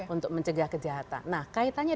untuk mencegah kejahatan nah kaitannya